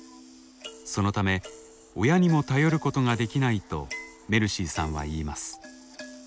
そのため親にも頼ることができないとメルシーさんは言います。